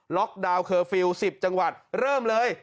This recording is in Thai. ดาวน์เคอร์ฟิลล์๑๐จังหวัดเริ่มเลย